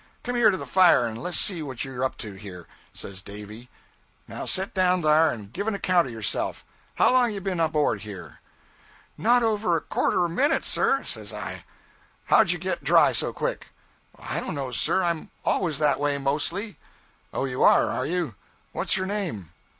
'Come here to the fire, and less see what you're up to here,' says Davy. 'Now set down there and give an account of yourself. How long have you been aboard here?' 'Not over a quarter of a minute, sir,' says I. 'How did you get dry so quick?' 'I don't know, sir. I'm always that way, mostly.' 'Oh, you are, are you. What's your name?'